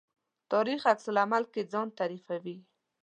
تاریخ عکس العمل کې ځان تعریفوي.